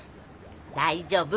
大丈夫。